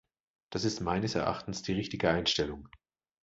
Das ist meines Erachtens die richtige Einstellung!